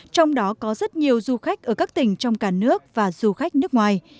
trong đó có rất nhiều du khách ở các tỉnh trong cả nước và du khách nước ngoài